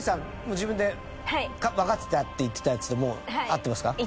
自分でわかってたって言ってたやつともう合ってますか？